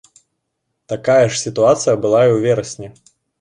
Такая ж сітуацыя была і ў верасні.